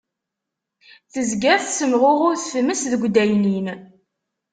Tezga tessemɣuɣud tmes deg addaynin.